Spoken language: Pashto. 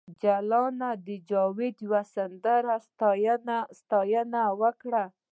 جلان د جاوید د یوې سندرې ستاینه وکړه